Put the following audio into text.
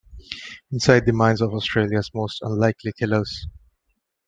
Inside the Minds of Australia's Most Unlikely Killers.